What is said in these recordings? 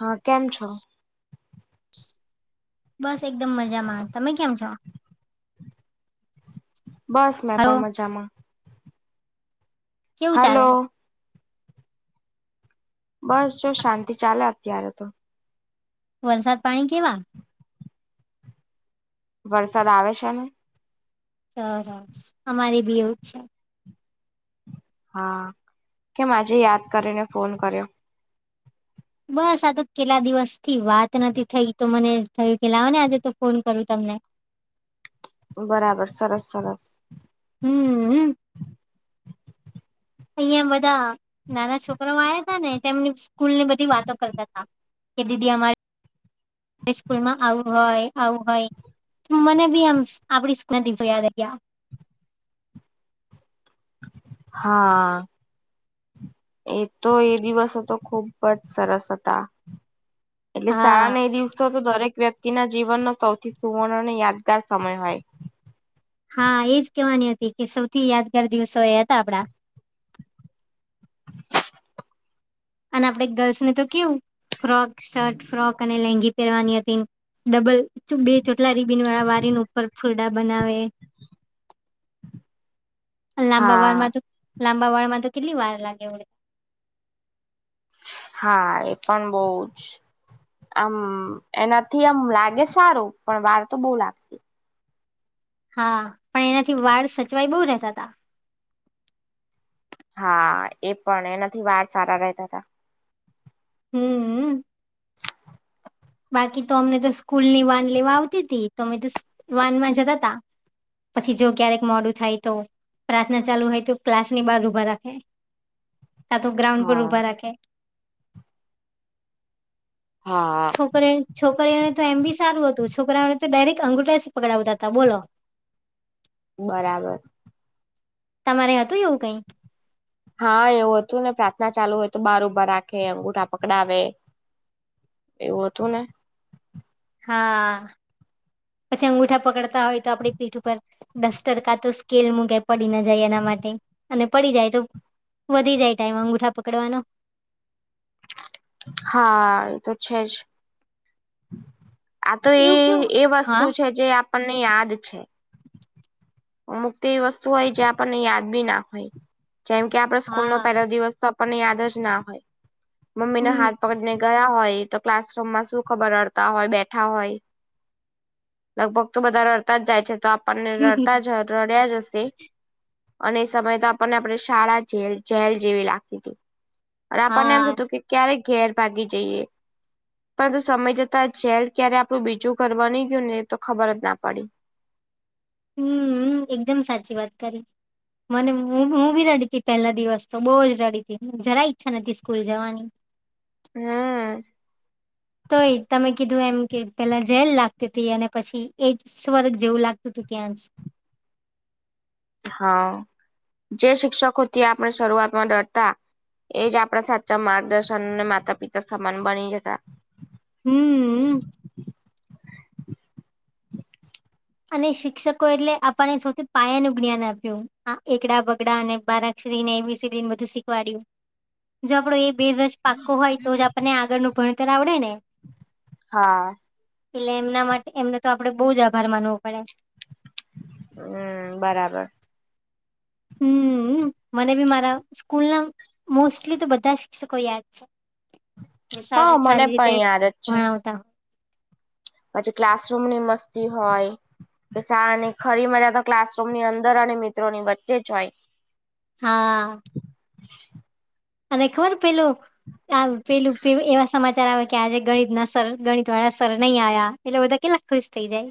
હા કેમ છો બસ એકદમ મજામાં તમે કેમ છો બસ મેં હલો પણ મજામાં. કેવું હલો ચાલે બસ જો શાંતિ ચાલે અત્યારે તો વરસાદ પાણી કેવા વરસાદ આવે છે ને. સરસ અમારી બી એવું છે. હા કેમ આજે યાદ કરીને ફોન કર્યો બસ આ તો કેટલા દિવસ થી વાત નથી થઈ તો મને થયું કે લાવો ને આજે તો ફોન કરું તમને. બરાબર સરસ સરસ હમ્મ અહિયાં બધા નાના છોકરાઓ આયા હતા ને તેમની સ્કૂલ ની બધી વાતો કરતા હતા. કે દીદી અમારે સ્કૂલમાં આવું હોય આવું હોય. મને બી આમ આપડી [unintelligible] યાદ આયગયા હા એ તો એ દિવસ તો ખુબ જ સરસ હતા. એટલે હા શાળાના એ દિવસો તો દરેક વ્યક્તિના જીવનનો સૌથી સુવર્ણ અને યાદગાર સમય હોય. હા એજ કેવાની હતી કે સૌથી યાદગાર દિવસો એ હતા આપડા. અને આપડે ગર્લ્સને તો કેવું ફ્રોક શર્ટ ફ્રોક અને લેગી પહેરવાની હતી. ડબલ બે ચોટલા રીબીન વાળા વારી ને ઉપર ફુલડા બનાવે. લાંબા વાર હા માં લાંબા વાળ માં તો કેટલી વાર લાગે વડી. હા એ પણ બોજ આમ એનાથી આમ લાગે સારું પણ વાર તો બો લાગે હા પણ એનાથી વાળ સચવાય બહુ રહેતા તા. હા એ પણ એનાથી વાર સારા રહેતા હતા. હમ્મ બાકી તો અમને તો સ્કૂલની વાન લેવા આવતી હતી તો અમે તો વાન માં જતા તા. પછી જો ક્યારેક મોડું થાય તો પ્રાર્થના ચાલુ હોય તો ક્લાસ ની બહાર ઊભા રાખે. કા તો ગ્રાઉન્ડ પર હા ઉભા રાખે. હા છોકરી છોકરીઓને તો એમ બી સારું હતું છોકરાઓને તો ડાયરેક્ટ અંગુઠા જ પકડાવતા હતા બોલો. બરાબર તમારે હતું એવું કઈ હા એવું હતું ને પ્રાર્થના ચાલુ હોય તો બહાર ઊભા રાખે અંગૂઠા પકડાવે. એવું હતું ને હા પછી અંગુઠા પકડતા હોય તો આપડી પીઠ ઉપર ડસ્તર કા તો સ્કેલ મૂગ પડી ના જાય એના માટે અને પડી જાય તો વધી જાય ટાઈમ અંગુઠા પકડવાનો. હા એ તો છે જ આ તો એ એવું કેવું એ વસ્તુ હા છે જે આપણને યાદ છે. અમુક એવી વસ્તુ હોય જે આપણને યાદ બી ના હોય જેમ કે આપે સ્કૂલ નો હા પહેલો દિવસ તો આપને યાદ જ ના હોય મમ્મી ના હમ હાથ પકડીને ગયા હોય તો ક્લાસરૂમમાં શું ખબર રડતા હોય બેઠા હોય. લગભગ તો બધા રડતા જ જાય છે તો આપણને રડતા જ રડ્યા જ હશે. અને એ સમય તો આપણને આપણે શાળા જેલ જેલ જેવી લાગતી હતી. અને આપણને એમ હા થતું કે ક્યારેક ઘેર ભાગી જઈએ. પરંતુ સમય જતા જેલ ક્યારે આપણું બીજું ઘર બની ગયું ને તો ખબર જ ના પડી. હમ્મ એકદમ સાચી વાત કરી. મને હું બી રડી તી પહેલા દિવસ તો બહુ જ રડી તી જરા ઈચ્છા નથી સ્કૂલ જવાની. હમ્મ તો એ તમે કીધું એમ કે પેલા જેલ લાગતી હતી અને પછી એ જ ર જ જેવું લાગતું હતું ત્યાંસ હા જે શિક્ષકો ત્યાં આપણે શરૂઆતમાં ડરતા એજ આપડા સાચા માર્ગદર્શન અને માતા પિતા સમાન બની જતા હમ્મ અને શિક્ષકો એટલે આપણને સૌથી પાયાનું જ્ઞાન આપ્યું આ એકડા બગડા અને બારક ને બધું શીખવાડ્યું જો આપડ એ બેઝજ પાકો હોય તો જ આપણને આગળ ન ભણતર આવડે ને હા એટલે એમના માટે એમનો તો આપડે બહુ જ આભાર માનવો પડે હમ બરાબર હમ મને બી મારા સ્કૂલ ના મોસ્ટલી તો બધા શિક્ષકો યાદ છે. હા સારી મને સારી રીતે પણ યાદ જ છે ભણાવતા પછી ક્લાસરૂમ ની મસ્તી હોય. સાા ને ખરી મજા તો ક્લાસરૂમ ની અંદર અને મિત્રોની વચ્ચે જ હોય. હા અને ખબર પેલું આ પેલું એવા સમાચાર આવે કે આજે ગણિત ના સર ગણિત વાળા સર નહી આવ્યા એટલે બધા કેટલા ખુશ થઈ જાય.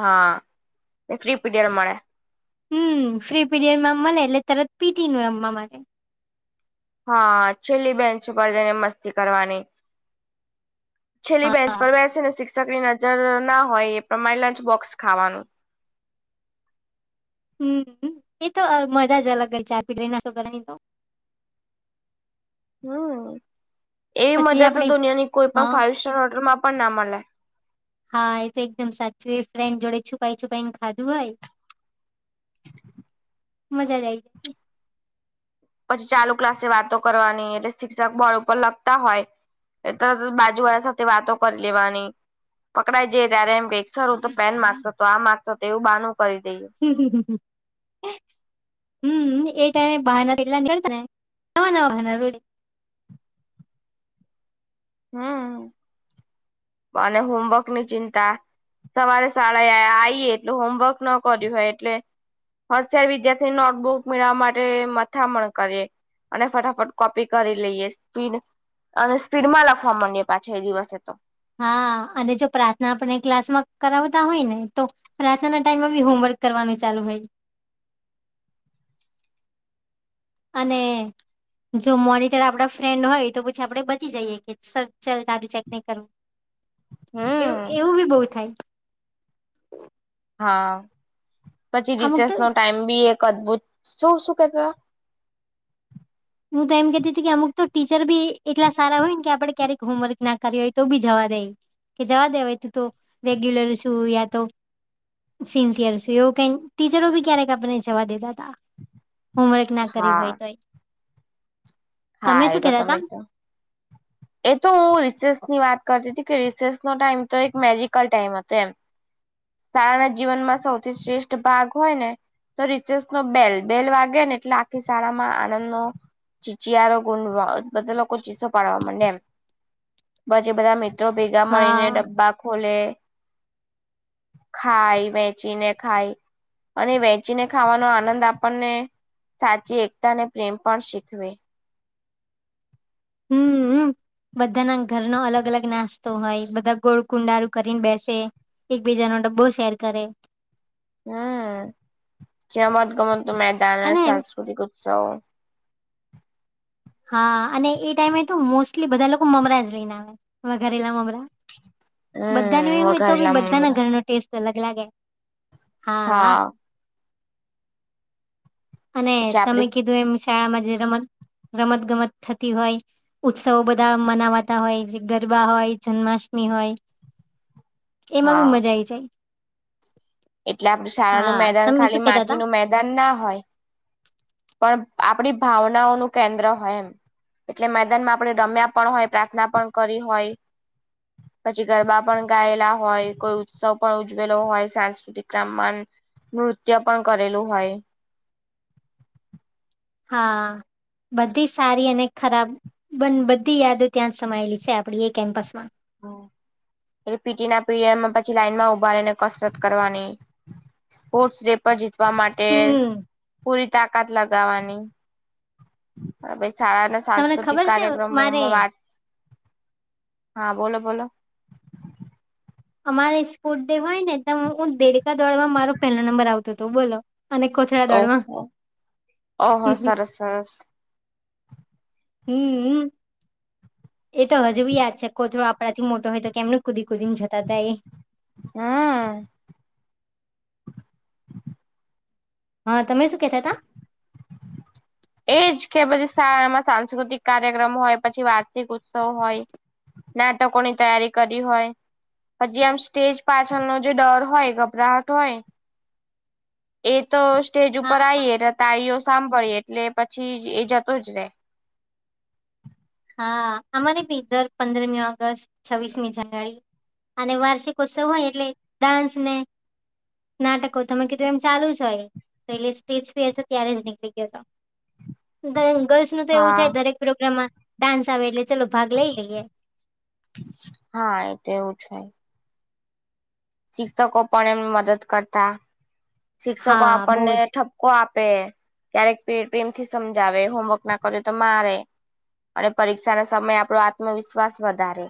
હા ફ્રી પીડયડ મળે હમ ફ્રી પીરિયડમાંમ એટલે તરત પીટી નું રમવા મને હા છેલ્લી બેન્ચ ઉપર જઈને મસ્તી કરવાની છેલ્લી બેન્ચ હા. પર બેસે ને શિક્ષક ની નજર ના હોય એ પ્રમાણે લંચ બોક્સ ખાવાનુ હમ એ તો મજા જ અલગ ગઈ ચાર પીટ ના સોની તો હમ એવી પછી મજા તો આપડે દુનિયાની કોઈ પણ હા ફાઈવ સ્ટાર હોટલમાં પણ ના મળે હા એ તો એકદમ સાચું એ ફ્રેન્ડ જોડે છુપાઈ છુપાઈ ને ખાધું હોય. મજા જઈ જ પછી ચાલુ ક્લાસે વાતો કરવાની એટલે શિક્ષક બોર્ડ ઉપર લખતા હોય. તરતત બાજુવાળા સાથે વાતો કરી લેવાની પકડાઈ જઈ ત્યારે એમ કેસર હું તો પેન માગતો તો આ માગતો તો એવું બાનું કરી દઈએ હમ હ હ હમ એ ટાઈમ વાહેતા નવા નવા વાન હમ અને હોમવર્ક ની ચિંતા સવારે સાડા આએ એટલ હોમવર્ક ન કર્યું હોય એટલે હશ્યારે વિદ્યાર્થીની નોટબુક મેળવવા માટે મથામણ કરીએ અને ફટાફટ કોપી કરી લઈએ સ્પીડ અને સ્પીડ માં લખ સામાન્યે પાછ એ દિવસે તો હા અને જો પ્રાર્થના આપણે ક્લાસમાં કરાવતા હોય, ને તો પ્રાથના ટાઈમમાં બી હોમવર્ક કરવાનું ચાલુ ભાઈ અને જો મોનિટર આપડા ફ્રેન્ડ હોય તો પછી આપડે બચી જઈએ કે સર ચાલ તી ચેક નહીં કરવ એવું હમ એવું બી બહૉ થાય. હા પછી અમુક રિસેસ તો નો ટાઈમ બી એક અદભુત શું શું કેતા હું તો એમ કતી હતી કે અમુક તો ટીચર બી એટલા સારા હોય, ને કે આપડે ક્યારેક હોમવર્ક ના કર હોય તો બી જવા દે કે જવા દે હોય તું તો રેગ્યુલર શું યા તો સિન્સિયર છ એવું કઈ ટીચરો બી ક્યારેક આપને જવા દેતા તા હોમવર્ક ના કર્યું હા હોય તોય હા એ તો કેતા તા તમે [inaudible] એ તો હું રિસેસ ની વાત કરતી હતી કે રિસેસ નો ટાઈમ તો એક મેજિકલ ટાઈમ હતો એમ શાળા ના જીવનમાં સૌથી શ્રેષ્ઠ ભાગ હોય ને તો રિસેસ નો બેલ બેલ વાગે ને એટલે આખી શાળામાં આનંદ નો ચાર ગુ બધા લોકો ચીસો પાડવા માંડ બધા જો ભેગા મળીને હા ડબ્બા ખોલે [inaudible] ખાય વેચીને ખાય અને વેચીને ખાવાનો આનંદ આપણને સાચી એકતા ને પ્રેમ પણ શીખવે હમ બધાના ઘર નો અલગ અલગ નાસ્તો હોય બધા ગોળ કુંડારું કરીને બેસે એકબીજા નો ડબ્બો શેર કરે હમ ચનામદગમંત મેદાન અને સાંસ્કૃતિક ઉત્સવ હા અને એ ટાઈમે તો મોસ્ટલી બધા લોકો મમરા જ લઈને આવે વઘરેલા મમરા બધા ન હમ એવુ હોય તો વઘારેલા બધાના મમરા ઘરનો ટેસ્ટ અલગ લાગે હા અને પછી તમે આપડી કીધું એમ શાળામાં જે રમત રમત ગમત થતી હોય ઉત્સવો બધા મનાવાતા હોય જે ગરબા હોય જન્માષ્ટમી હોય એમાં બી હા મજા આઈ જાય એટલે આપડે શાળા નું હા મેદાન તમે શું ખાલી કેતા હતા માટીનું મેદાન ના હોય પણ આપણી ભાવનાઓનું કેન્દ્ર હોય એમ એટલે મેદાનમાં આપણે રમ્યા પણ હોય પ્રાર્થના પણ કરી હોય પછી ગરબા પણ ગાયેલા હોય કોઈ ઉત્સવ પણ ઉજવેલો હોય સાસ તિક્રમમાંન નૃત્ય પણ કરેલું હોય હા બધી સારી અને ખરાબ બધી યાદો ત્યાં સમાયેલી છે આપડી એ કેમ્પસમાં. એટ પીટીના પીરયડમાં પછી લાઈનમાં ઉભા રહીને કસરત કરવાની. સ્પોર્ટ્સ ડે પર જીતવા માટે હમ પૂરી તાકાત લગાવાની. [unintelligible] તમને સાંસ્કૃતિક ખબર છે મારે કાર્યક્રમોમાં વાત હા બોલો બોલો અમારે સ્પોર્ટ ડે હોય ને ત હું દેડકા દોડવામાં મારો પહેલો નંબર આવતો હતો બોલો અને કોથળા દોળમાં ઓહો ઓહો હ સરસ સરસ હમ એ તો હજુ બી યાદ છે કોતરો આપડા થી મોટો હોય તો કેમનું કુદી કુદીને જતા હતા એ હા હા તમે શું કેતા તા એજ કે પછી શાળામાં સાંસ્કૃતિક કાર્યક્રમ હોય પછી વાર્ષિક ઉત્સવ હોય નાટકોની તૈયારી કરી હોય પછી આમ સ્ટેજ પાછળનો જે ડર હોય ગભરાહટ હોય [inaudible] એ તો સ્ટેજ ઉપર હા આવીઈએટલે તાળીઓ સાંભળીએ એટલે પછી એ જતો જ રે હા અમારે બીધર પંદરમી ઓગસ્ટ છવ્વીસમી જાન્યુઆરી અને વાર્ષિક ઉત્સવ હોય એટલે ડાન્સ નાટકો તમે કીધું એમ ચાલુ જ હોય. તો એટલે સ્ટેજ ફેર તો ત્યારે જ નીકળી ગયો હતો. ગર્લ્સનું તો એવું છે. હા દરેક પ્રોગ્રામમાં ડાન્સ આવે એટલે ચલો ભાગ લઈ લઈએ. હા એતો એવું જ હોય. શિક્ષકો પણ એમ મદદ કરતા શિક્ષકો હા બહુ આપણને જ કો આપે ક્યારેક પ્રેમથી સમજાવે હોમવર્કના કરે તો મારે. અને પરીક્ષા ના સમયે આપણો આત્મવિશ્વાસ વધારે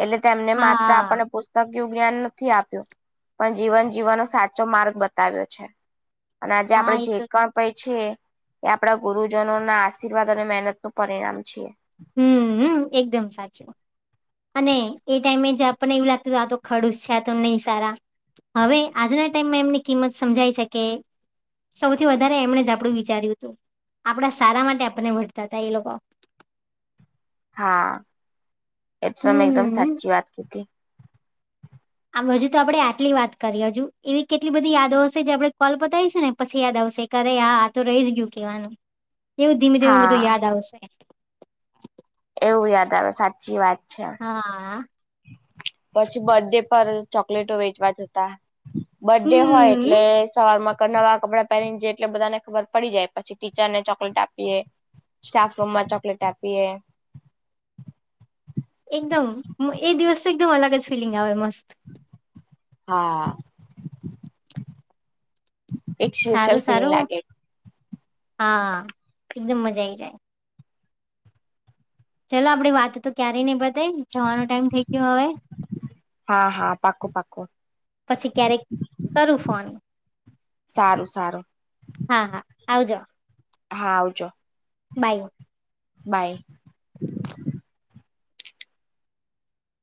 એટલે તેમને માત્ર હા આપને પુ કયું જ્ઞાન નથી આપ્યું પણ જીવન જીવવાનો સાચો માર્ગ બતાવ્યો છે. અને આજે હા આપડે એ જે તો પણ છે એ આપડા ગુરુજનોના આશીર્વાદ અને મહેનતનું પરિણામ છે. હમ એકદમ સાચું. અને એ ટાઈમે જ આપણને એવું લાગતું હતું આ તો ખડુસ છે તો નહી સારા. હવે આજના ટાઈમમાં એમની કિંમત સમજાઈ શકે. સૌથી વધારે એમણે જ આપડું વિચાર્યું હતું. આપડા સારા માટે આપને વતા હતા એ લોકો. હા એ તો મેં એકદમ હમ્મ. સાચી વાત કીધી હતી. આમ હજુ તો આપડણે આટલી વાત કરીએ હજુ એવી કેટલી બધી યાદો હશે જે આપડણે કોલ પતાવી છે ને પછ યાદ આવશે. કરે હા તો રહી જ ગયું કેવાનું એવું ધીમે ધીમે બધું હા યાદ આવશે. એવું યાદ આવે સાચી વાત છે. હા. પછી બર્ડે પર ચોકલેટો વેચવા જતા. બર્ડે હોય એટલે હમ્મ સવારમાં નવા કપડાં પહેરીને જાય એટલે બધાને ખબર પડી જાય પછી ટીચરને ચોકલેટ આપીએ. સ્ટાફ રૂમમાં ચોકલેટ આપીએ. એકદમ એ દિવસ એકદમ અલગ જ ફિલિંગ આવે મસ્ત. હા. એક સ્પેશિયલ સારું ફીલિંગ સારું. લાગે. હા, એકદમ મજા આઈ જાય. ચાલો આપડી વાત તો ક્યારેય નહી બતાઈ જવાનો ટાઈમ થઇ ગયો હવે. હા હા પાકું પાકું પછી ક્યારેક કરું ફોન. સારું સારું. હા હા આવજો. હા આવજો. બાય. બાય.